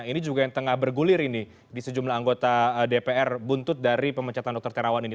ini juga yang tengah bergulir ini di sejumlah anggota dpr buntut dari pemecatan dokter terawan ini